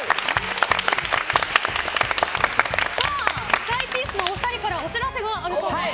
スカイピースのお二人からお知らせがあるそうです。